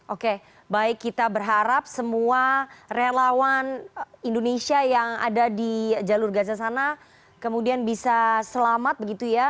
oke baik kita berharap semua relawan indonesia yang ada di jalur gaza sana kemudian bisa selamat begitu ya